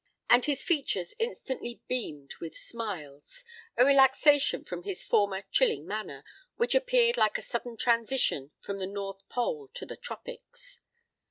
And his features instantly beamed with smiles—a relaxation from his former chilling manner, which appeared like a sudden transition from the north pole to the tropics.